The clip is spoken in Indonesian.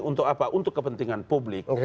untuk apa untuk kepentingan publik